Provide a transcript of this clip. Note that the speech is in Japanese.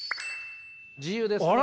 自由ですね。